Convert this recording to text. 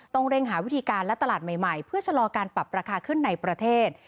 เร่งหาวิธีการและตลาดใหม่เพื่อชะลอการปรับราคาขึ้นในประเทศ